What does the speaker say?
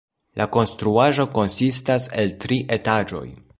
La konstruaĵo konsistas el tri etaĝoj.